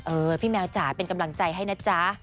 พี่แมวจ๋าเป็นกำลังใจให้นะจ๊ะ